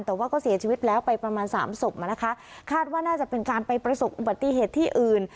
แต่ว่าก็เสียชีวิตแล้วไปประมาณสามศพมานะคะคาดว่าน่าจะเป็นการไปประสบอุบัติเหตุที่อื่น